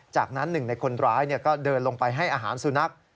จากนั้นหนึ่งในคนร้ายก็เดินลงไปให้อาหารสุนัข